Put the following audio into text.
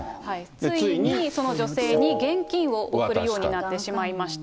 ついにその女性に現金を贈るようになってしまいました。